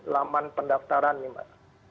laman pendaftaran ini mbak